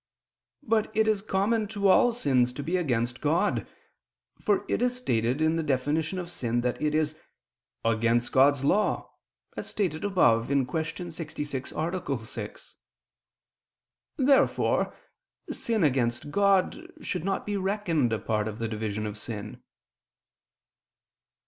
But it is common to all sins to be against God: for it is stated in the definition of sin that it is "against God's law," as stated above (Q. 66, A. 6). Therefore sin against God should not be reckoned a part of the division of sin.